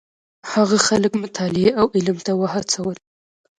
هغه خلک مطالعې او علم ته وهڅول.